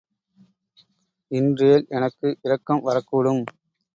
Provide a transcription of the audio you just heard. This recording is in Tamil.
இன்றேல் எனக்கு இரக்கம் வரக்கூடும்.